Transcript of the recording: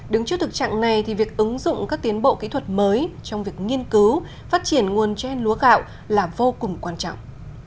đứng trước thực trạng này thì việc ứng dụng các tiến bộ kỹ thuật mới trong việc nghiên cứu phát triển nguồn gen lúa gạo là vô cùng quan trọng